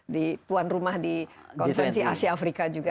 di tuan rumah di konferensi asia afrika juga